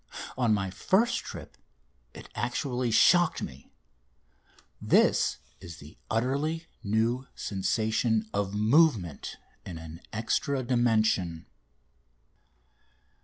On my first trip it actually shocked me! This is the utterly new sensation of movement in an extra dimension!